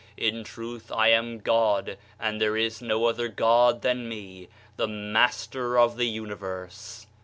In truth I am God, and there is no other God than Me, the Master of the Universe